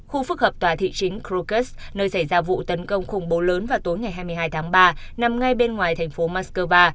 khu phức hợp tòa thị chính kruguz nơi xảy ra vụ tấn công khủng bố lớn vào tối ngày hai mươi hai tháng ba nằm ngay bên ngoài thành phố moscow